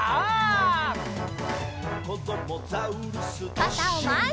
かたをまえに！